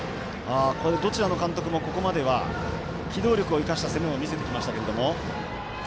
どちらの監督もここまでは機動力を生かした攻めを見せてきましたけれども。